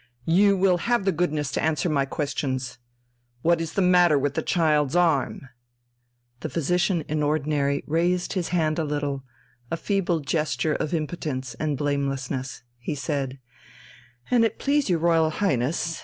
"You will have the goodness to answer my questions. What is the matter with the child's arm?" The Physician in Ordinary raised his hand a little a feeble gesture of impotence and blamelessness. He said: "An it please Your Royal Highness....